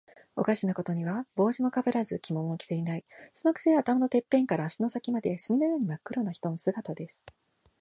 おかしなことには、帽子もかぶらず、着物も着ていない。そのくせ、頭のてっぺんから足の先まで、墨のようにまっ黒な人の姿です。